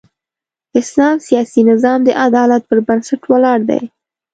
اسلام سیاسي نظام د عدالت پر بنسټ ولاړ دی.